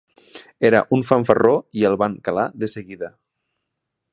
Era un fanfarró i el van calar de seguida.